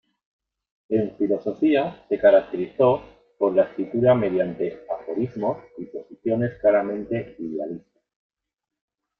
En filosofía se caracterizó por la escritura mediante aforismos y posiciones claramente idealistas.